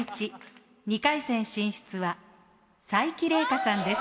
２回戦進出は才木玲佳さんです。